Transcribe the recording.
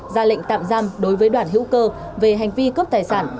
ra lệnh tạm giam đối với đoàn hữu cơ về hành vi cướp tài sản